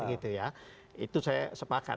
itu saya sepakat